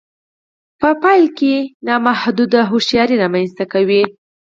په پايله کې نامحدوده هوښياري رامنځته کوي.